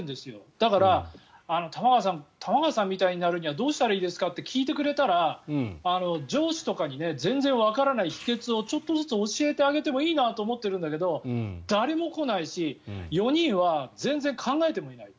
だから玉川さんみたいになるにはどうしたらいいですかって聞いてくれたら上司に全然わからないような秘けつをちょっとずつ教えてあげてもいいなと思っているんだけど誰も来ないし４人は全然考えてもいない。